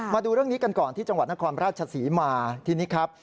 มาดูเรื่องนี้กันก่อนที่จังหวัดนครราชศรีมาทีนี้ครับ